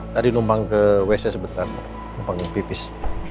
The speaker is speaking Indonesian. tadi numpang ke wc sebentar numpang pipis